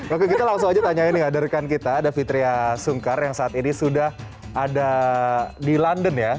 oke kita langsung aja tanya ini ya dari rekan kita ada fitriah sungkar yang saat ini sudah ada di london ya